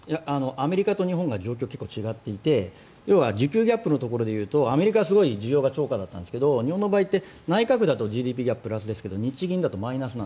アメリカと日本で状況は違っていて要は需給ギャップのところで言うとアメリカは需要がオーバーだったんですが日本の場合って内閣府だとＧＤＰプラス日銀だとマイナス